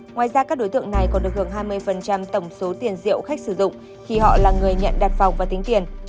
ngoài ra các đối tượng này còn được hưởng hai mươi tổng số tiền diệu khách sử dụng khi họ là người nhận đặt phòng và tính tiền